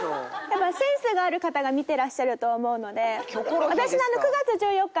やっぱりセンスがある方が見てらっしゃると思うので。